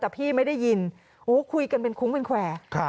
แต่พี่ไม่ได้ยินโอ้คุยกันเป็นคุ้งเป็นแควร์